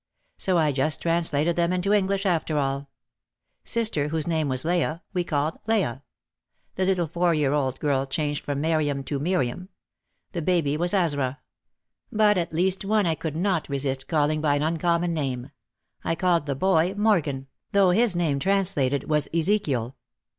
So I just translated them into English after all. Sister, whose name was Leah, we called Leah; the little four year old girl changed from Meriam to Miriam; the baby was Asra. But at least one I could not resist calling by an uncommon name. I called the boy Morgan, though his name translated was Ezekiel.